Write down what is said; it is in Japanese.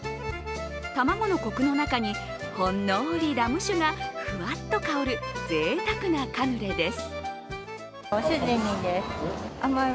卵のコクの中に、ほんのりラム酒がふわっと香るぜいたくなカヌレです。